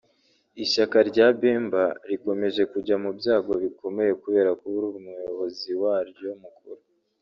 Ishyaka rya Bemba rikomeje kujya mu byago bikomeye kubera kubura umuyobozi waryo mukuru